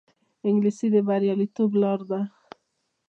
انګلیسي د بریالیتوب لار ده